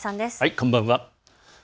こんばんは。